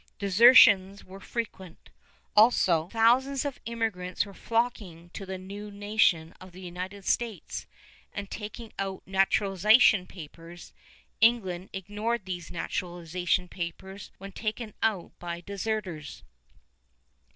Desertions were frequent. Also thousands of immigrants were flocking to the new nation of the United States and taking out naturalization papers. England ignored these naturalization papers when taken out by deserters.